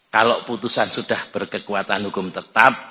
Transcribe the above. kalau putusan sudah berkekuatan hukum tetap